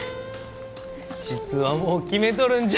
実はもう決めとるんじゃ。